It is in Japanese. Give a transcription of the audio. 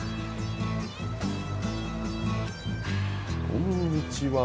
こんにちは。